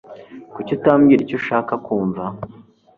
Kuki utambwira icyo ushaka kumva